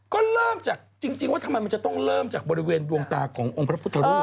ก็เริ่มจากจริงว่าทำไมมันจะต้องเริ่มจากบริเวณดวงตาขององค์พระพุทธรูป